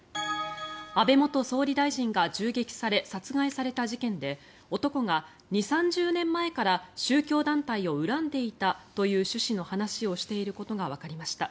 安倍元総理大臣が銃撃され殺害された事件で男が２０３０年前から宗教団体を恨んでいたという趣旨の話をしていることがわかりました